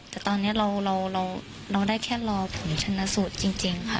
แต่ตอนนี้เราได้แค่รอผลชนะสูตรจริงค่ะ